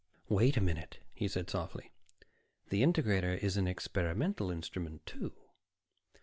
"Wait a minute," he said softly. "The integrator is an experimental instrument, too."